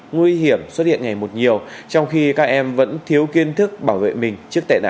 nguy hiểm xuất hiện ngày một nhiều trong khi các em vẫn thiếu kiên thức bảo vệ mình trước tệ nạn